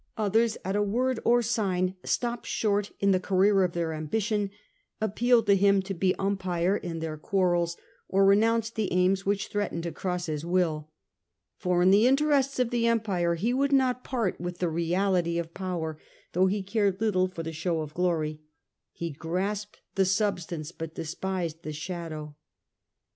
Others at a word or sign stopped short in the career of their ambition, appealed to him to be um pire in their quarrels, or renounced the aims which threatened to cross his will. For in the interests of the empire he would not part with the reality of power, though he cared little for the show of glory ; he grasped the substance, but despised the shadow.